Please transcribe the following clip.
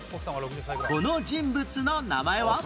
この人物の名前は？